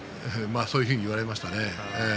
そういうふうに言われましたね。